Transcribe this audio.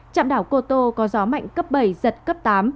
trạm đảo cô tô có gió mạnh cấp bảy giật cấp tám